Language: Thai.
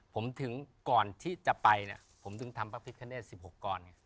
ผมถึงก่อนที่จะไปเนี่ยผมถึงทำพระพิคเนต๑๖กรไง